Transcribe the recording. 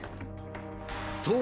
［そう。